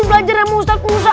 kacau kacau kacau